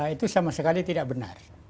itu sama sekali tidak benar